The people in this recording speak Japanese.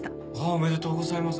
おめでとうございます。